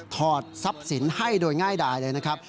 ถอดทรัพย์สินให้โดยง่ายดายเลยนะครับ